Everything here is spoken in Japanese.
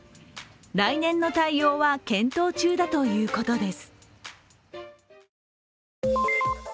来年の対応は検討中だということです。